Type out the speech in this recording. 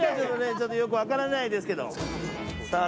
ちょっとよく分からないですけど。